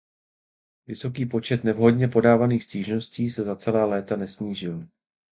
Vysoký počet nevhodně podávaných stížností se za celá léta nesnížil.